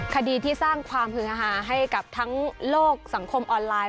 คดีที่สร้างความฮือฮาให้กับทั้งโลกสังคมออนไลน